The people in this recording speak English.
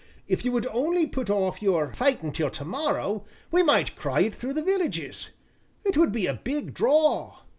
If you would only put off your fightin' till to morrow, we might cry it through the villages; 'twould be a big draw.